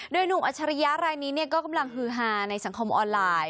โดยหนุ่มอัชริยะรายนี้ก็กำลังฮือฮาในสังคมออนไลน์